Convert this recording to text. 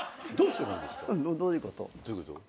どういうこと？